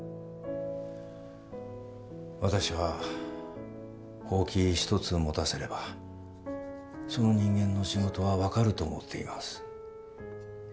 私は箒一つを持たせればその人間の仕事は分かると思っています